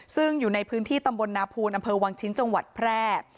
ซึ่งอยู่ในพื้นที่ตำบลนาภูลอำเภอวังชิ้นจังหวัดแพร่